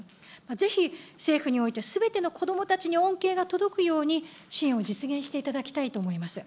ぜひ政府においてすべての子どもたちに恩恵が届くように、支援を実現していただきたいと思います。